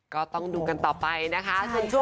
ก็ต้องดูกันต่อไปนะคะ